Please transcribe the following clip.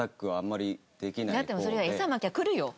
だってそりゃ餌まきゃ来るよ。